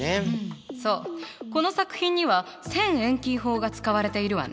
そうこの作品には線遠近法が使われているわね。